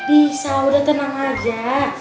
bisa udah tenang aja